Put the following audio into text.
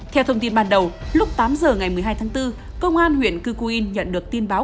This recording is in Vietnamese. theo thông tin ban đầu lúc tám giờ ngày một mươi hai tháng bốn công an huyện cư cu yên nhận được tin báo